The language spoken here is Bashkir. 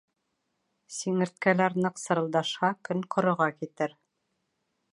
Сиңерткәләр ныҡ сырылдашһа, көн ҡороға китер.